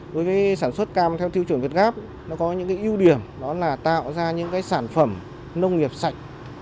đối với sản xuất cam theo tiêu chuẩn việt gáp nó có những ưu điểm đó là tạo ra những sản phẩm nông nghiệp sạch